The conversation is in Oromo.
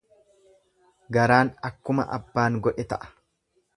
Garaan akkuma abbaan godhe ta'a.